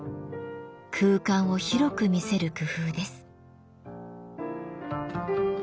空間を広く見せる工夫です。